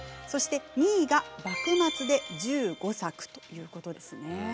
そして２位が幕末で１５作ということですね。